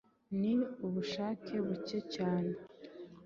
ni ubushake buke cyane